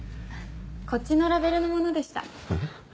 こっちのラベルのものでした。